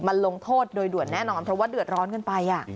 มันลงโทษโดยด่วนแน่นอนเพราะว่าเดือดร้อนกันไป